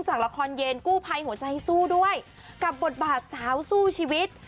จากละครเย็นกู้ภัยหัวใจสู้ด้วยกับบทบาทสาวสู้ชีวิต